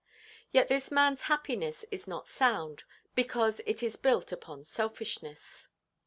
Yet this manʼs happiness is not sound, because it is built upon selfishness.